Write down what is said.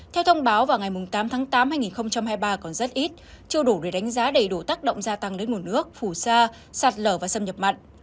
theo thông báo vào ngày tám tháng tám hai nghìn hai mươi ba còn rất ít chưa đủ để đánh giá đầy đủ tác động gia tăng đến nguồn nước phù sa sạt lở và xâm nhập mặn